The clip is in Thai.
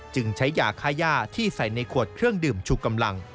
จึงใช้ยาค่าย่าที่ใส่ในขวดเครื่องดื่มชูกำลัง